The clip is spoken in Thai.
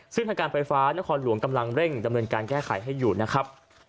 ซึ่งทางการไฟฟ้านครหลวงกำลังเร่งดำเนินการแก้ไขให้อยู่นะครับ